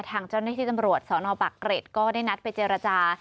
ทางเจ้าหน้าที่ตำรวจสนปักเกร็ดก็ได้นัดไปเจรจา